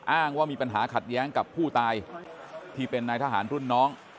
อ้างว่ามีปัญหาขัดแย้งกับผู้ตายที่เป็นนายทหารรุ่นน้อง